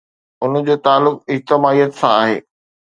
ان جو تعلق اجتماعيت سان آهي.